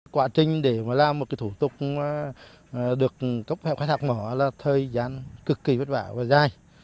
quá trình để làm một thủ tục được cấp khai thác mỏ là thời gian cực kỳ vất vả và dài